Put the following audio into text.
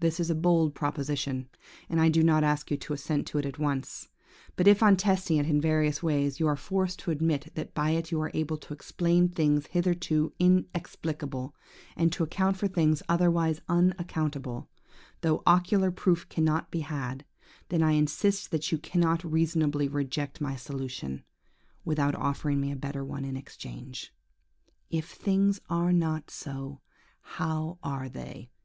"This is a bold proposition, and I do not ask you to assent to it at once. But if on testing it in various ways, you are forced to admit that by it you are able to explain things hitherto inexplicable, and to account for things otherwise unaccountable, though ocular proof cannot be had, then I insist that you cannot reasonably reject my solution, without offering me a better one in exchange. If things are not so, how are they?